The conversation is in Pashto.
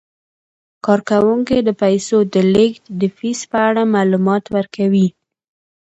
کارکوونکي د پیسو د لیږد د فیس په اړه معلومات ورکوي.